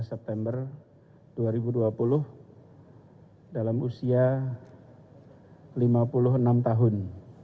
dua belas september dua ribu dua puluh dalam usia lima puluh enam tahun